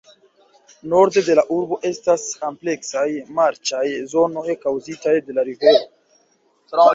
Norde de la urbo estas ampleksaj marĉaj zonoj kaŭzitaj de la rivero.